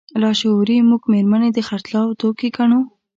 لاشعوري موږ مېرمنې د خرڅلاو توکي ګڼو.